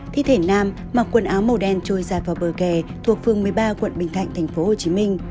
thi thể nam mặc quần áo màu đen trôi giạt vào bờ kè thuộc phường một mươi ba quận bình thạnh tp hcm